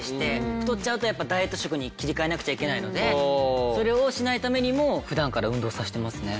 太っちゃうとやっぱダイエット食に切り替えなくちゃいけないのでそれをしないためにも普段から運動させてますね。